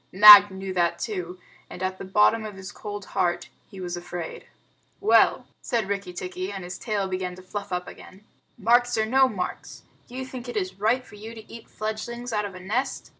Nag knew that too and, at the bottom of his cold heart, he was afraid. "Well," said Rikki tikki, and his tail began to fluff up again, "marks or no marks, do you think it is right for you to eat fledglings out of a nest?"